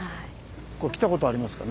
ここ来たことありますか？